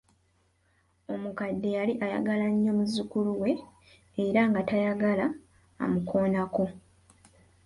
Omukadde yali ayagala nnyo muzzukulu we era nga tayagala amukoonako.